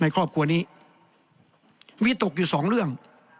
ครอบครัวนี้วิตกอยู่สองเรื่อง